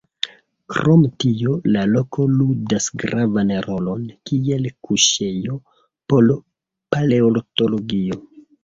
Krom tio, la loko ludas gravan rolon kiel kuŝejo por paleontologio.